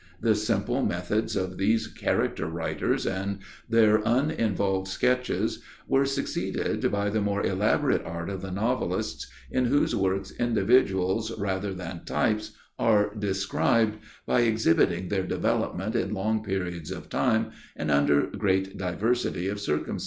The simple methods of these character writers and their uninvolved sketches were succeeded by the more elaborate art of the novelists, in whose works individuals rather than types are described by exhibiting their development in long periods of time and under great diversity of circumstances.